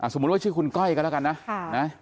สมมุติว่าชื่อคุณก้อยก็แล้วกันนะ